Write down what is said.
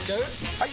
・はい！